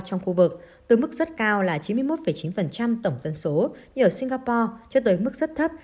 trong khu vực từ mức rất cao là chín mươi một chín tổng dân số như ở singapore cho tới mức rất thấp